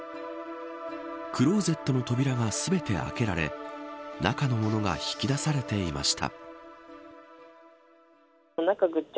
クローゼットの扉が全て開けられ中の物が引き出されていました。